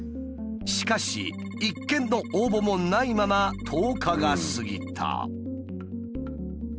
しかし１件の応募もないまま１０日が過ぎた。